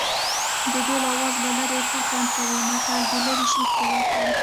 د ډول آواز له لرې ښه خوند کوي متل د لرې شي ښکلا ښيي